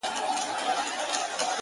ویل خدایه تا ویل زه دي پالمه!